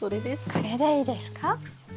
これでいいですか？